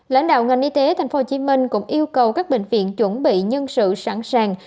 lãnh đạo ngành y tế tp hcm cũng yêu cầu các bệnh viện chuẩn bị nhân sự sẵn sàng